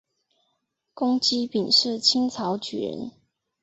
龚积柄是清朝举人。